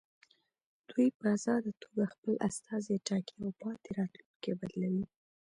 دوی په ازاده توګه خپل استازي ټاکي او پاتې راتلونکي بدلوي.